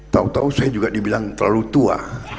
tahu tahu saya juga dibilang terlalu tua